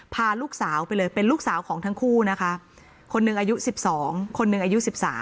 พาลูกสาวไปเลยเป็นลูกสาวของทั้งคู่นะคะคนหนึ่งอายุ๑๒คนหนึ่งอายุ๑๓